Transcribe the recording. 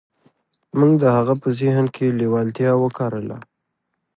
موږ د هغه په ذهن کې لېوالتیا وکرله.